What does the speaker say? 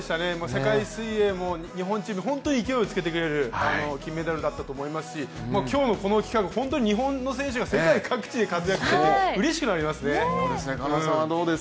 世界水泳も日本チーム本当に勢いつけてくれる金メダルだったと思いますし今日のこの企画、日本の選手が世界各地で活躍してて、うれしくなりますね。